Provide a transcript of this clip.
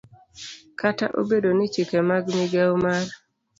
Kata obedo ni chike mag migao mar